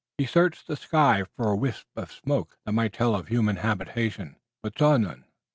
He searched the sky for a wisp of smoke that might tell of a human habitation, below, but saw none.